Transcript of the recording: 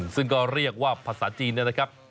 ซึ่งก็เรียกว่าภาษาจีนนะครับ